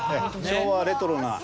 昭和レトロな。